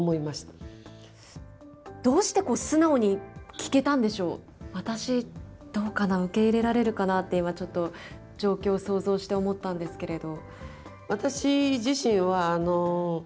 聞けたんでしょう、私どうかな、受け入れられるかなって、ちょっと今、状況を想像して思ったんですけれど。